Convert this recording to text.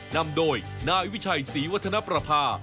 นำโดยหน้าวิชัยศรีวัฒนภาภา